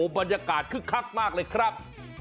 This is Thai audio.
บรรยากาศคึกคักมากเลยครับ